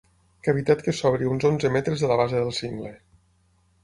Cavitat que s'obre a uns onze m de la base del cingle.